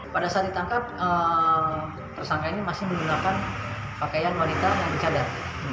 pada saat ditangkap tersangka ini masih menggunakan pakaian wanita yang dicadat